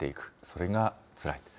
それがつらい。